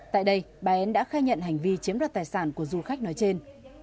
tại đây bà én đã khai nhận hành vi chiếm đất tài sản của du khách nói trên